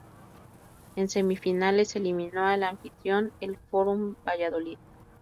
En semifinales, se eliminó al anfitrión, el Fórum Valladolid.